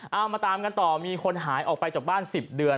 เอามาตามกันต่อมีคนหายออกไปจากบ้าน๑๐เดือน